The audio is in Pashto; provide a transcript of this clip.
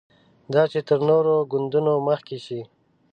دا چې تر نورو ګوندونو مخکې شي.